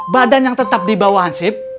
badan yang tetap di bawah hansip